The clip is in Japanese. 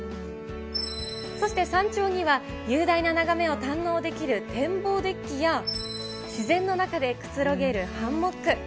そして山頂には、雄大な眺めを堪能できる展望デッキや、自然の中でくつろげるハンモック。